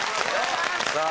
さあ